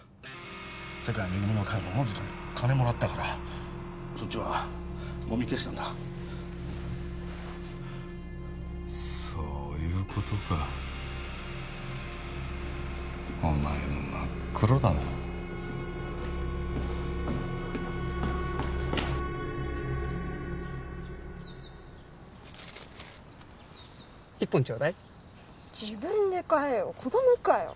世界恵みの会の小野塚に金もらったからそっちはもみ消したんだそういうことかお前も真っ黒だな一本ちょうだい自分で買えよ子供かよ